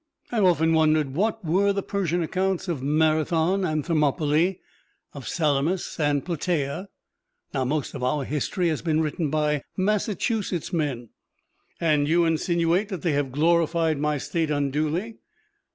I've often wondered what were the Persian accounts of Marathon and Thermopylae, of Salamis and Plataea. Now most of our history has been written by Massachusetts men." "And you insinuate that they have glorified my state unduly?"